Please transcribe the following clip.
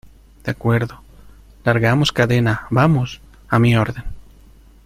de acuerdo. ¡ largamos cadena, vamos! ¡ a mi orden !